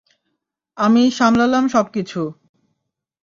আমি সামলালাম সবকিছু।